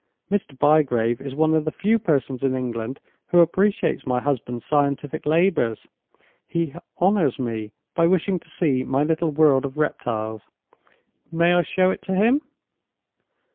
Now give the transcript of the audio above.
"Mr. Bygrave is one of the few persons in England who appreciate my husband's scientific labors. He honors me by wishing to see my little world of reptiles. May I show it to him?"